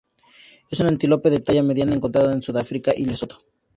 Es un antílope de talla media encontrado en Sudáfrica y Lesoto.